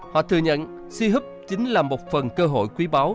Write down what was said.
họ thừa nhận c hub chính là một phần cơ hội quý báu